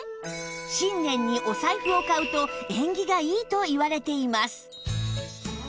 新年にお財布を買うと縁起がいいといわれています